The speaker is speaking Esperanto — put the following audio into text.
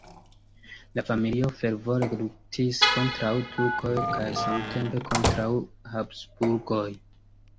La familio fervore luktis kontraŭ turkoj kaj samtempe kontraŭ Habsburgoj.